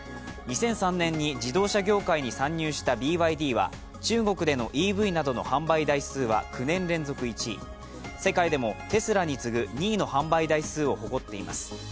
２００３年に自動車業界に参入したＢＹＤは中国でのＥＶなどの販売台数は９年連続１位世界でもテスラに次ぐ２位の販売台数を誇っています。